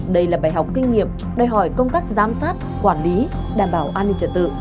đây là bài học kinh nghiệm đòi hỏi công tác giám sát quản lý đảm bảo an ninh trật tự